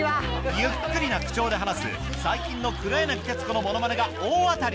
ゆっくりな口調で話す最近の黒柳徹子のものまねが大当たり！